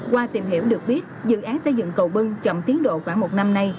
qua tìm hiểu được biết dự án xây dựng cầu bưng chậm tiến độ khoảng một năm nay